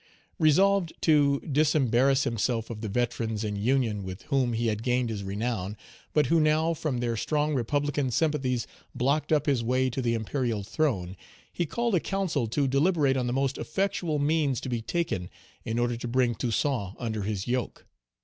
Resolved to disembarrass himself of the veterans in union with whom he had gained his renown, but who now from their strong republican sympathies blocked up his way to the imperial throne, he called a council to deliberate on the most effectual means to be taken in order to bring Toussaint under his yoke.